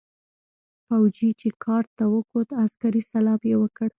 فوجي چې کارت ته وکوت عسکري سلام يې وکړ.